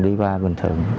đi qua bình thường